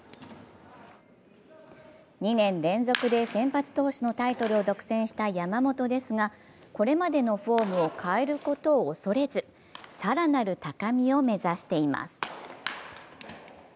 ２年連続で先発投手のタイトルを独占した山本ですが、これまでのフォームを変えることを恐れず更なる高みを目指しています。